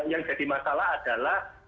yang jadi masalah adalah